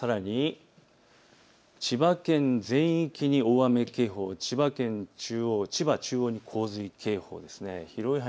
さらに千葉県全域に大雨警報、千葉中央に洪水警報ですね。